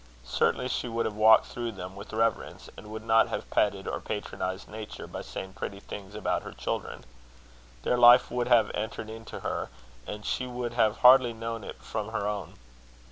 Certainly she would have walked through them with reverence, and would not have petted or patronised nature by saying pretty things about her children. Their life would have entered into her, and she would have hardly known it from her own.